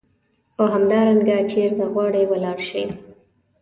او همدارنګه چیرته غواړې ولاړ شې.